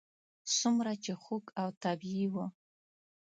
څومره چې خوږ او طبیعي و.